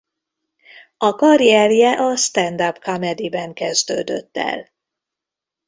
A karrierje a Stand-up Comedy-ben kezdődött el.